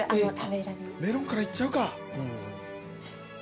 メロンからいっちゃうか。